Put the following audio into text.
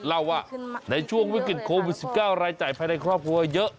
เล่าว่าในช่วงวิกฤตโควิด๑๙รายจ่ายภายในครอบครัวเยอะ